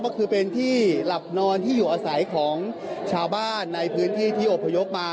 ก็คือเป็นที่หลับนอนที่อยู่อาศัยของชาวบ้านในพื้นที่ที่อบพยพมา